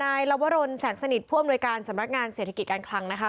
ลวรนแสงสนิทผู้อำนวยการสำนักงานเศรษฐกิจการคลังนะคะ